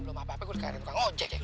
belum apa apa gue kade tukang ojek ya